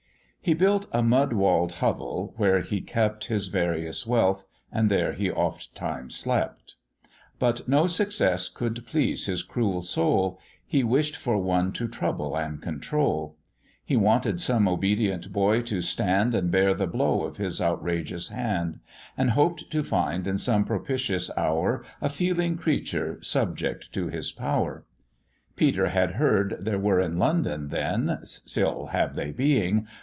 He built a mud wall'd hovel, where he kept His various wealth, and there he oft times slept; But no success could please his cruel soul, He wish'd for one to trouble and control; He wanted some obedient boy to stand And bear the blow of his outrageous hand; And hoped to find in some propitious hour A feeling creature subject to his power. Peter had heard there were in London then, Still have they being!